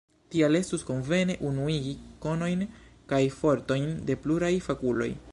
Tial estus konvene unuigi konojn kaj fortojn de pluraj fakuloj.